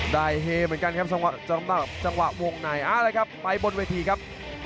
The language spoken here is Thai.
ได้เฮะเหมือนกันครับจังหวะวงในอะไรครับไปบนเวทีครับ